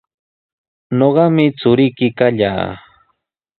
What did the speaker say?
Ñuqami churiyki kallaa.